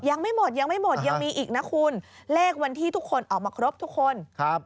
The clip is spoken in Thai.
ยังไม่หมดยังไม่หมดยังมีอีกนะคุณเลขวันที่ทุกคนออกมาครบทุกคนครับ